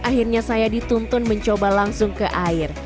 akhirnya saya dituntun mencoba langsung ke air